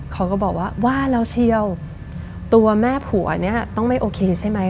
เขาก็บอกว่าว่าแล้วเชียวตัวแม่ผัวเนี่ยต้องไม่โอเคใช่ไหม